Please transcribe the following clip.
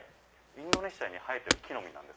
インドネシアに生えてる木の実。